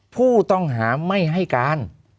ผู้ต้องหาไม่ให้การ